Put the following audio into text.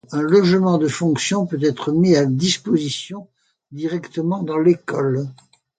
Un logement de fonction peut être mis à disposition directement dans l’école.